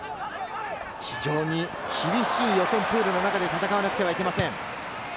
非常に厳しい予選プールの中で戦わなくてはなりません。